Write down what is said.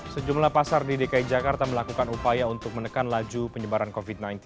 sejumlah pasar di dki jakarta melakukan upaya untuk menekan laju penyebaran covid sembilan belas